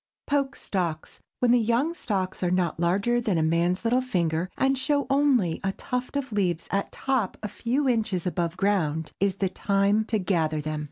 POKE STALKS. When the young stalks are not larger than a man's little finger, and show only a tuft of leaves at top a few inches above ground, is the time to gather them.